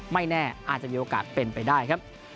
ไม่แน่อาจจะมีโอกาสเป็นไปได้ครับ